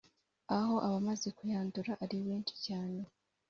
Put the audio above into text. aho abamaze kuyandura ari benshi cyane